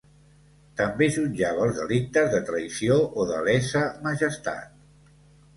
També jutjava els delictes de traïció o de lesa majestat.